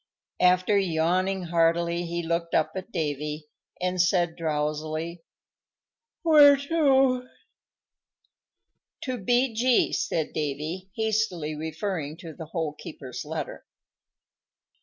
After yawning heartily he looked up at Davy, and said drowsily, "Where to?" "To B.G.," said Davy, hastily referring to the Hole keeper's letter.